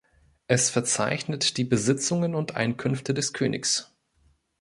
Es verzeichnet die Besitzungen und Einkünfte des Königs.